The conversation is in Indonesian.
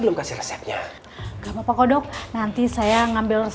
mas aku kangen mas